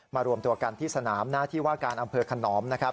รวมตัวกันที่สนามหน้าที่ว่าการอำเภอขนอม